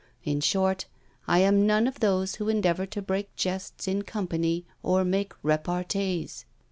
In short, I am none of those who endeavour to break jests in company, or make repartees."